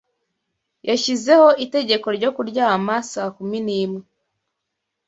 Yashyizeho itegeko ryo kuryama saa kumi n'imwe.